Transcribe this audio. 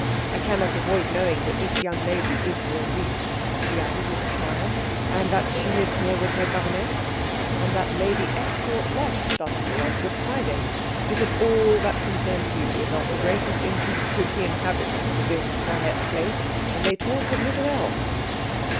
"I cannot avoid knowing that this young lady is your niece," he added with a smile, "and that she is here with her governess, and that Lady Estcourt left suddenly on Good Friday, because all that concerns you is of the greatest interest to the inhabitants of this quiet place, and they talk of little else."